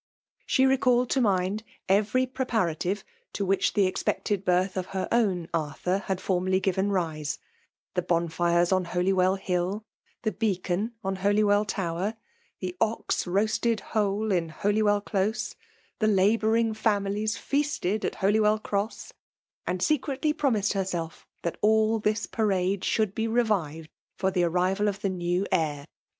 She recalled to mind every preparative to which the expected birth of her own Arthur had formerly given rise :^ the bonfires on Holywell Hill — the beacon on Holywell Tower •^the ox roasted whole in Holywell Close — ^the labouring families feasted at Holywell Cross ; and secretly promised herself that all this parade should be revived for the arrival of the new heir.